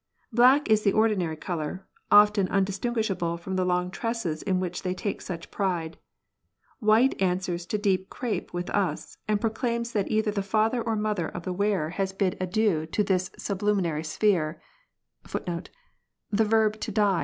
Black is the ordinary colour, often undistinguishable from the long tresses in which they take such pride ; white answers to deep crape with us, and proclaims that either the father or mother of the wearer has bid i6o FEMALE CHILDREN.